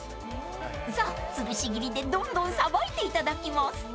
［さあつるし切りでどんどんさばいていただきます］